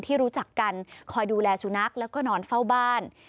รู้จักกันคอยดูแลสุนัขแล้วก็นอนเฝ้าบ้าน